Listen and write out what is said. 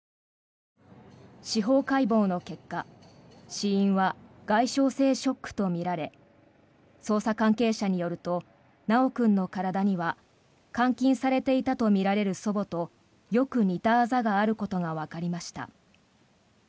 司法解剖の結果死因は外傷性ショックとみられ捜査関係者によると修君の体には監禁されていたとみられる祖母とよく似たあざがあることがわかりました。